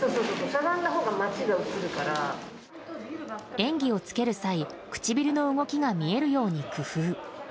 演技をつける際唇の動きが見えるように工夫。